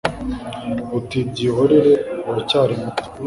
uti byihorere uracyari muto